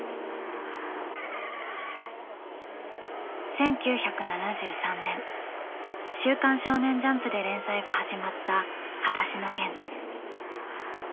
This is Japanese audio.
１９７３年『週刊少年ジャンプ』で連載が始まった『はだしのゲン』。